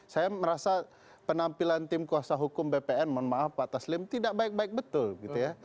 saya merasa penampilan tim kuasa hukum bpn mohon maaf pak taslim tidak baik baik betul gitu ya